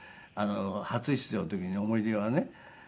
初出場の時の思い出はね